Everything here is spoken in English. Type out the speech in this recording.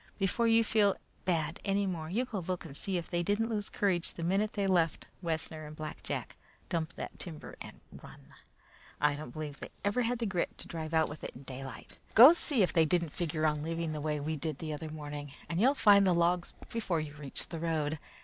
Before you feel bad any more, you go look and see if they didn't lose courage the minute they left Wessner and Black Jack, dump that timber and run. I don't believe they ever had the grit to drive out with it in daylight. Go see if they didn't figure on leaving the way we did the other morning, and you'll find the logs before you reach the road.